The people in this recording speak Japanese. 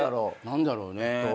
何だろうね。